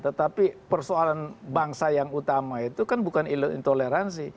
tetapi persoalan bangsa yang utama itu kan bukan intoleransi